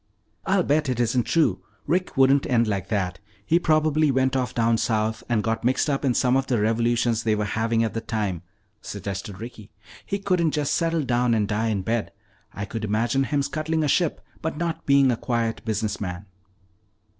"I'll bet it isn't true. Rick wouldn't end like that. He probably went off down south and got mixed up in some of the revolutions they were having at the time," suggested Ricky. "He couldn't just settle down and die in bed. I could imagine him scuttling a ship but not being a quiet business man."